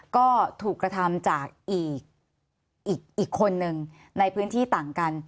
ก็ถูกกระทำจากอีกคนนึงในพื้นที่ต่างกัน